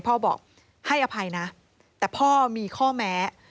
บอกให้อภัยนะแต่พ่อมีข้อแม้